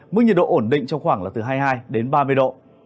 mức nhiệt độ ổn định trong khoảng là từ hai mươi hai đến ba mươi độ